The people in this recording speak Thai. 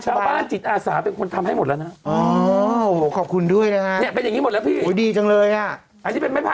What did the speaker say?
ชาวบ้านจิตอาสาเป็นคนทำให้หมดแล้วนะ